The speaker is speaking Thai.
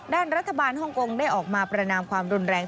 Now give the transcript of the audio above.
ด้านรัฐบาลฮ่องกงได้ออกมาประนามความรุนแรง